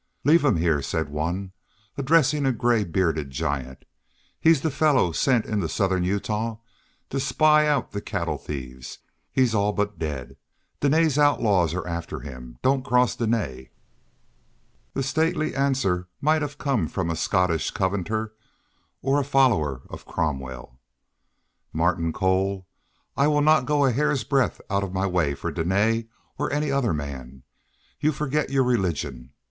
"Leave him here," said one, addressing a gray bearded giant. "He's the fellow sent into southern Utah to spy out the cattle thieves. He's all but dead. Dene's outlaws are after him. Don't cross Dene." The stately answer might have come from a Scottish Covenanter or a follower of Cromwell. "Martin Cole, I will not go a hair's breadth out of my way for Dene or any other man. You forget your religion.